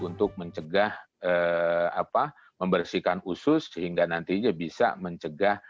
untuk mencegah membersihkan usus sehingga nantinya bisa mencegah